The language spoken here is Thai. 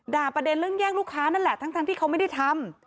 ประเด็นเรื่องแย่งลูกค้านั่นแหละทั้งที่เขาไม่ได้ทำ